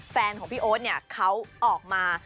แฟนของพี่โอ๊ตเนี่ยเขาออกมา